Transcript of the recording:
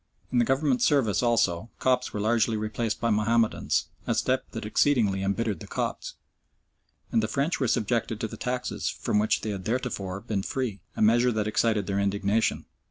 In the Government service also Copts were largely replaced by Mahomedans a step that exceedingly embittered the Copts and the French were subjected to the taxes from which they had theretofore been free a measure that excited their indignation.